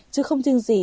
chứ không chừng gì